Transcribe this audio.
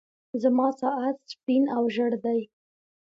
زما ساعت سپين او ژړ دی.